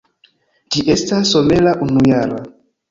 Ĝi estas somera unujara.